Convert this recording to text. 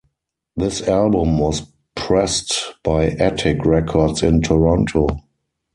This album was pressed by Attic Records in Toronto.